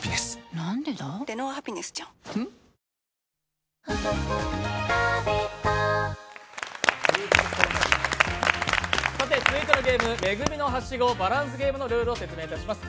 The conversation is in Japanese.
便質改善でラクに出す続いてのゲーム、「め組のはしごバランスゲーム」のルールを説明いたします。